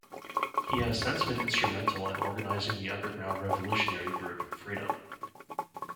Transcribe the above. He has since been instrumental in organizing the underground revolutionary group, Freedom.